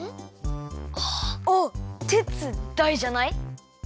「お」「てつ」「だい」じゃない？